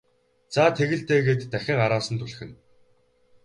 За тэг л дээ гээд дахин араас нь түлхэнэ.